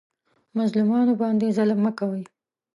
مظلومانو باندې ظلم مه کوئ